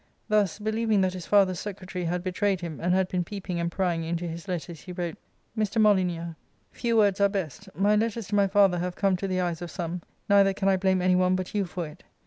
Thus, believing that his father's secretary had betrayed him, and had been peeping and prying into his letters, he wrote —" Mr. Molyneux : Few words are best My letters to my father have come to the eyes of some ; neither can I blame any one but you for it.